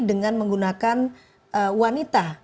dengan menggunakan wanita